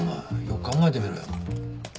よく考えてみろよ。